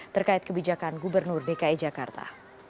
terkait kebijakan gubernur dki jakarta